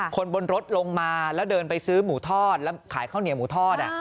คนบนรถลงมาแล้วเดินไปซื้อหมูทอดแล้วขายข้าวเหนียวหมูทอด